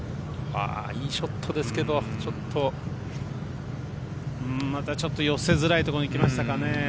いいショットですけどちょっとまたちょっと寄せづらいところに来ましたかね。